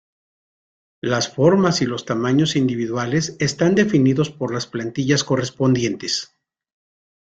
Las formas y los tamaños individuales están definidos por las plantillas correspondientes.